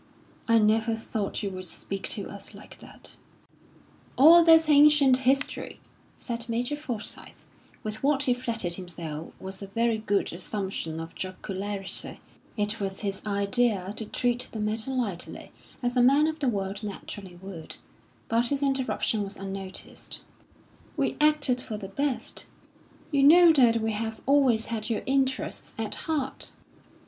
"I never thought you would speak to us like that." "All that's ancient history," said Major Forsyth, with what he flattered himself was a very good assumption of jocularity. It was his idea to treat the matter lightly, as a man of the world naturally would. But his interruption was unnoticed. "We acted for the best. You know that we have always had your interests at heart."